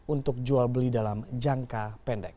untuk jual beli dalam jangka pendek